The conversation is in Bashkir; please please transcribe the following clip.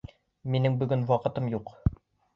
Минең бөгөн ваҡытым юҡ.